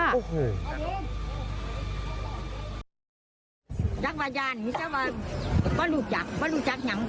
๒รอยกลัว๒รอยกลัวถุง